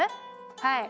はい。